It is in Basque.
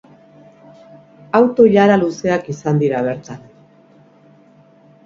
Auto-ilara luzeak izan dira bertan.